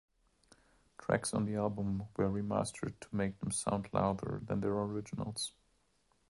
Tracks on the album were remastered to make them sound louder than their originals.